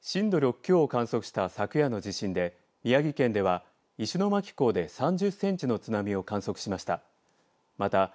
震度６強を観測した昨夜の地震で宮城県では石巻港で３０センチの津波を観測しました。